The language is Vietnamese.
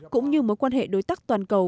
cũng như mối quan hệ đối tác toàn cầu